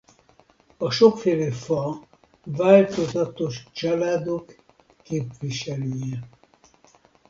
A sokféle fa változatos családok képviselője.